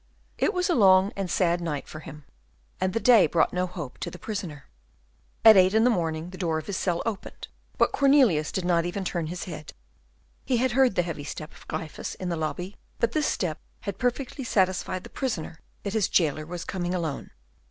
It was a long and sad night for him, and the day brought no hope to the prisoner. At eight in the morning, the door of his cell opened; but Cornelius did not even turn his head; he had heard the heavy step of Gryphus in the lobby, but this step had perfectly satisfied the prisoner that his jailer was coming alone.